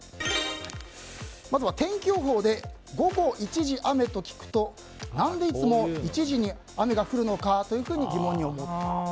まずは天気予報で午後一時雨と聞くと何でいつも１時に雨が降るのかと疑問に思った。